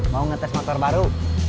mau ngetes motor baru